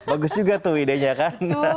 bagus juga tuh idenya kan